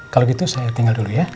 kalau gitu saya tinggal dulu ya